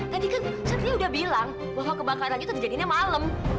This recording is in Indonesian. tadi kan satria udah bilang bahwa kebakaran itu terjadinya malam